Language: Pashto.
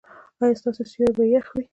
ایا ستاسو سیوري به يخ وي؟